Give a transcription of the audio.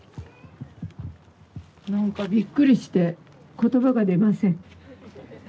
何かびっくりして言葉が出ません。